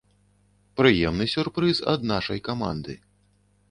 Прыемны сюрпрыз ад нашай каманды.